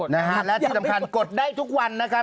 นะฮะและที่สำคัญกดได้ทุกวันนะครับ